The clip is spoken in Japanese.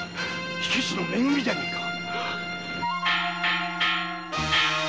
火消しのめ組じゃねぇか！？